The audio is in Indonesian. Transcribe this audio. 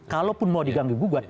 kalaupun mau diganggu gugat